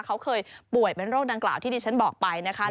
เขาเคยป่วยแบนโรคนางกราวที่ดิฉันบอกไปมากเลยนะคะ